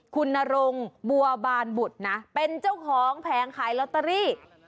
คุณนรงบัวบานบุตรนะเป็นเจ้าของแผงขายลอตเตอรี่